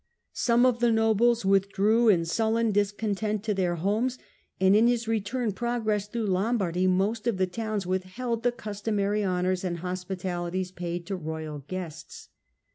Some of the nobles with drew in sullen discontent to their homes, and in his return progress through Lombardy most of the towns withheld the customary honours and hospitalities paid to royal guests.